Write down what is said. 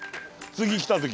次来た時。